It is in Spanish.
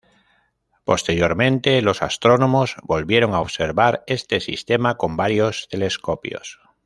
Posteriormente, los astrónomos volvieron a observar este sistema con varios telescopios.